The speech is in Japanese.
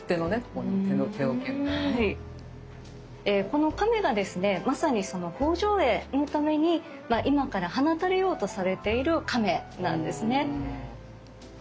この亀がですねまさにその放生会のために今から放たれようとされている亀なんですね。